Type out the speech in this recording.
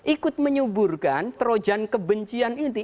ikut menyuburkan terojan kebencian ini